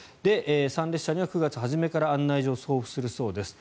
参列者には９月初めから案内状を送付するそうです。